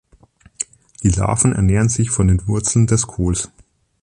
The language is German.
Die Larven ernähren sich von den Wurzeln des Kohls.